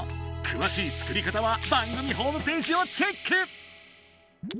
くわしい作り方は番組ホームページをチェック！